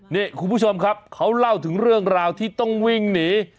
นี่คุณผู้ชมครับเขาเล่าถึงเรื่องราวที่ต้องวิ่งหนี